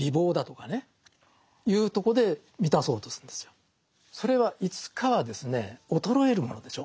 このそれはいつかはですね衰えるものでしょう。